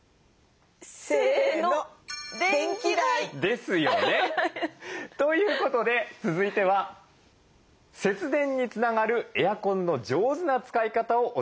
せのですよね。ということで続いては節電につながるエアコンの上手な使い方をお伝えしていきます。